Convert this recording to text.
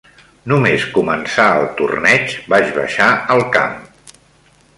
Només començar el torneig, vaig baixar al camp.